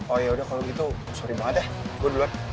oh ya udah kalo gitu sorry banget ya gue duluan